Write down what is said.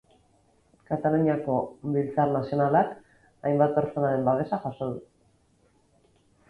Kataluniako Biltzar Nazionalak hainbat pertsonaren babesa jaso du.